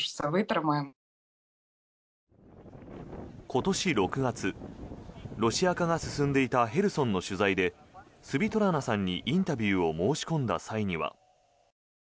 今年６月、ロシア化が進んでいたヘルソンの取材でスヴィトラナさんにインタビューを申し込んだ際には。